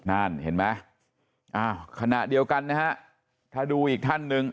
นั่นเห็นไหมอ้าวขณะเดียวกันนะฮะถ้าดูอีกท่านหนึ่ง